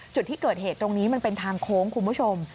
จุดที่เกิดเหตุตรงนี้มันเป็นทางโค้งคุณผู้ชม